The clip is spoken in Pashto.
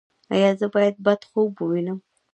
ایا زه باید بد خوب ووینم؟